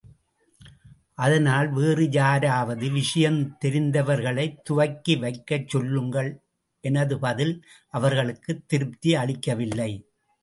அதனால் வேறு யாராவது விஷயம் தெரிந்தவர்களைத் துவக்கி வைக்கச் சொல்லுங்கள் எனது பதில் அவர்களுக்குத் திருப்தி அளிக்கவில்லை.